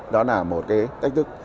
đó là một cái thách thức